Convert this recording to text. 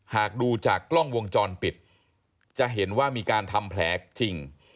หากดูจากกล้องวงจรปิดจะเห็นว่ามีการทำแผลจริง